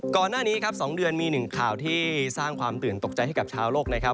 ก่อนหน้านี้ครับ๒เดือนมีหนึ่งข่าวที่สร้างความตื่นตกใจให้กับชาวโลกนะครับ